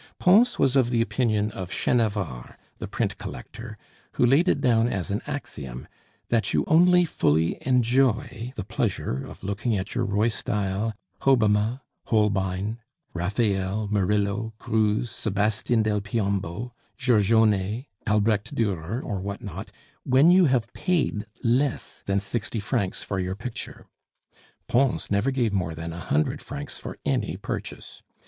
Pons was of the opinion of Chenavard, the print collector, who laid it down as an axiom that you only fully enjoy the pleasure of looking at your Ruysdael, Hobbema, Holbein, Raphael, Murillo, Greuze, Sebastian del Piombo, Giorgione, Albrecht Durer, or what not, when you have paid less than sixty francs for your picture. Pons never gave more than a hundred francs for any purchase.